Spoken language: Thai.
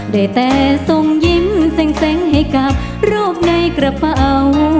ได้แต่ส่งยิ้มเซ้งให้กับโรคในกระเป๋า